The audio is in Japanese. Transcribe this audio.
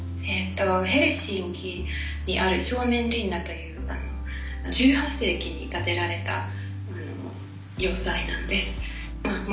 ヘルシンキにあるスオメンリンナという１８世紀に建てられた要塞なんです。